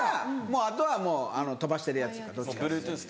あとはもう飛ばしてるやつかどっちかです。